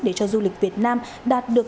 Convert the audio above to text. để cho du lịch việt nam đạt được